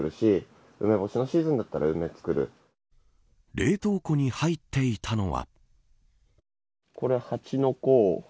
冷凍庫に入っていたのは。